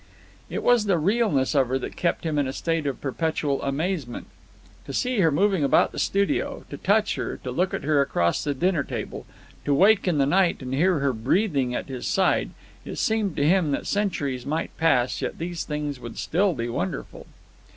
It was the realness of her that kept him in a state of perpetual amazement. To see her moving about the studio, to touch her, to look at her across the dinner table, to wake in the night and hear her breathing at his side.... It seemed to him that centuries might pass, yet these things would still be wonderful.